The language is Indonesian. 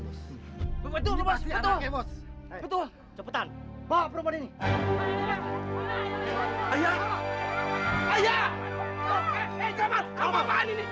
betul betul betul cepetan bawa perubahan ini